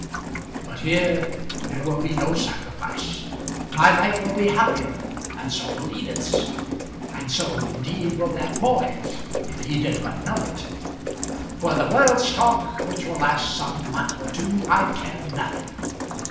But here there will be no sacrifice. My life will be happier, and so will Edith's. And so indeed will that boy's, if he did but know it. For the world's talk, which will last some month or two, I care nothing.